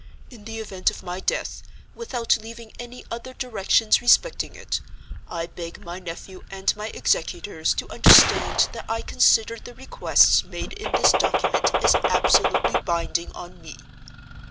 In the event of my death, without leaving any other directions respecting it, I beg my nephew and my executors to understand that I consider the requests made in this document as absolutely binding on me.